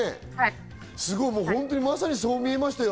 すごい、まさにそう見えましたよ。